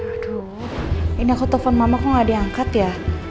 aduh ini aku telepon mama kok nggak diangkat ya